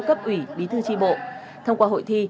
cấp ủy bí thư tri bộ thông qua hội thi